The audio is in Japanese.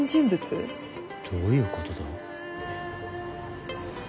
どういうことだ？